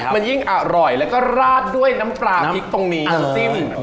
มันยิ่งอร่อยแล้วก็ราดด้วยน้ำปลาพริกตรงนี้น้ำจิ้ม